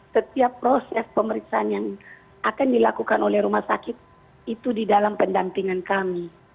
setiap proses pemeriksaan yang akan dilakukan oleh rumah sakit itu di dalam pendampingan kami